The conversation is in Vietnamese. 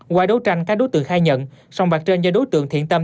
qua đấu tranh các đối tượng khai nhận sòng bạc trên do đối tượng thiện tâm